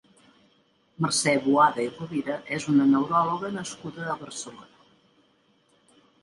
Mercè Boada i Rovira és una neuròloga nascuda a Barcelona.